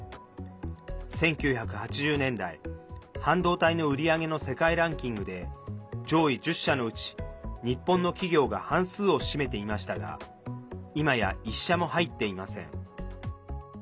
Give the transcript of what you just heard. １９８０年代、半導体の売り上げの世界ランキングで上位１０社のうち、日本の企業が半数を占めていましたがいまや、１社も入っていません。